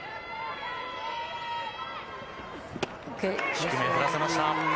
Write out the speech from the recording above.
低め、振らせました。